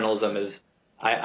はい。